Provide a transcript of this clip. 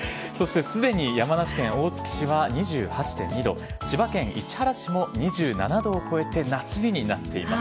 すでに山梨県大月市は２８．２度千葉県市原市も２７度を超えて夏日になっています。